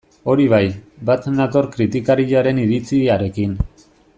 Hori bai, bat nator kritikariaren iritziarekin.